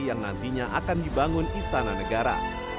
yang nantinya akan dibangun istana negara